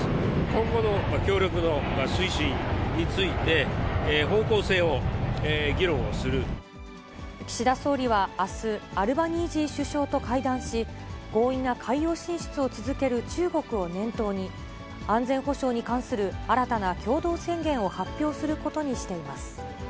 今後の協力の推進について、岸田総理はあす、アルバニージー首相と会談し、強引な海洋進出を続ける中国を念頭に、安全保障に関する新たな共同宣言を発表することにしています。